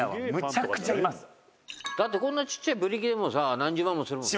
「だってこんなちっちゃいブリキでもさ何十万もするもんね」